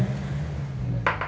tidak ada yang makan